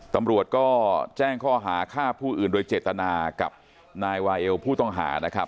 ตำรวจก็แจ้งข้อหาฆ่าผู้อื่นโดยเจตนากับนายวาเอลผู้ต้องหานะครับ